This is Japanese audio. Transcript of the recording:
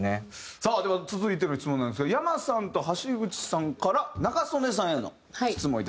さあでは続いての質問なんですけどｙａｍａさんと橋口さんから仲宗根さんへの質問いただいております。